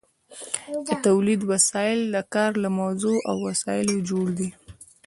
د تولید وسایل د کار له موضوع او وسایلو جوړ دي.